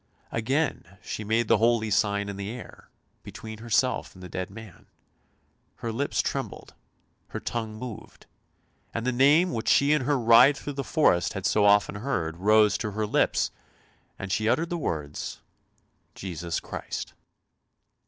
Again she 296 ANDERSEN'S FAIRY TALES made the holy sign in the air, between herself and the dead man ; her lips trembled, her tongue moved, and the name which she in her ride through the forest had so often heard, rose to her lips, and she uttered the words " Jesus Christ."